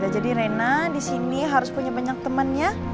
jadi rena disini harus punya banyak temennya